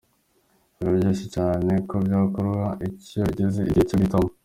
Biroroshye cyane ko byakugora iyo bigeze igihe cyo guhitamo.